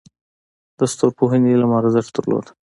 د ستورپوهنې علم ارزښت درلود